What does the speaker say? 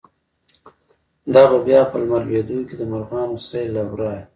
دابه بیا په لمر لویدوکی، دمرغانو سیل له ورایه”